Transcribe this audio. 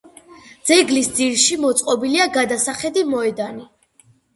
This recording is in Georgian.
ძეგლის ძირში მოწყობილია გადასახედი მოედანი.